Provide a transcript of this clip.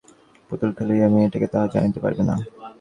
পুতুল কে লইয়াছে মেয়েটা তাহা জানিতে পারবে না।